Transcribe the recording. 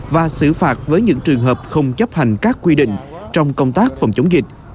giữ phạt với những trường hợp không chấp hành các quy định trong công tác phòng chống dịch